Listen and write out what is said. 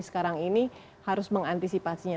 sekarang ini harus mengantisipasinya